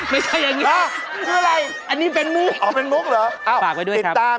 ไม่ใช่อย่างนี้อะไรคืออะไรอันนี้เป็นมุกหรือฝากไว้ด้วยครับ